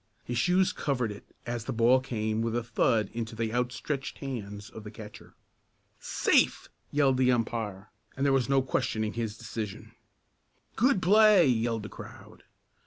His shoes covered it as the ball came with a thud into the outstretched hands of the catcher. "Safe!" yelled the umpire, and there was no questioning his decision. "Good play!" yelled the crowd.